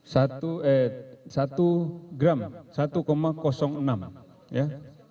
satu eh satu gram satu enam ya